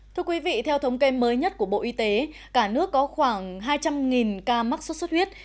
thưa quý vị theo thống kê mới nhất của bộ y tế cả nước có khoảng hai trăm linh ca mắc sốt xuất huyết